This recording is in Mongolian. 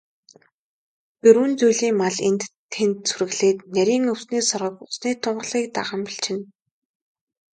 Дөрвөн зүйлийн мал энд тэнд сүрэглээд, нарийн өвсний соргог, усны тунгалгийг даган бэлчинэ.